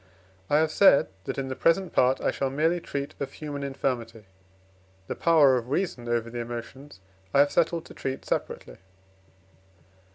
I have said, that in the present part I shall merely treat of human infirmity. The power of reason over the emotions I have settled to treat separately.